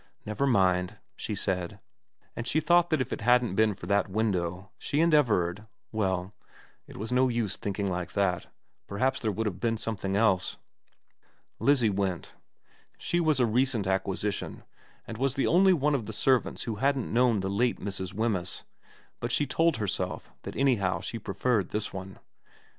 Never mind,' she said ; and she thought that if it hadn't been for that window she and Everard well, it was no use thinking like that ; perhaps there would have been something else. Lizzie went. She was a recent acquisition, and was the only one of the servants who hadn't known the late Mrs. Wemyss, but she told herself that anyhow she preferred this one.